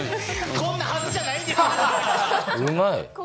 こんなはずじゃないんですよ！